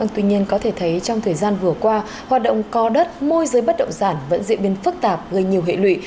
tuy nhiên có thể thấy trong thời gian vừa qua hoạt động có đất môi giới bất động sản vẫn diễn biến phức tạp gây nhiều hệ lụy